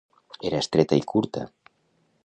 Era estreta i curta.